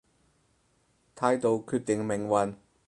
態度決定命運